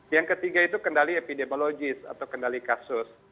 yang ketiga itu kendali epidemiologis atau kendali kasus